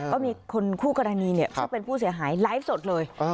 ก็มีคนคู่กรณีซึ่งเป็นผู้เสียหายไลฟ์สดเลย